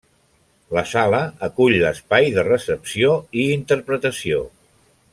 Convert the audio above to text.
La sala acull l’espai de recepció i interpretació.